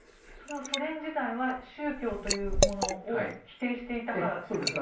ソ連時代は宗教というものを否定していたからですか？